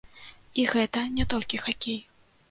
І гэта не толькі хакей.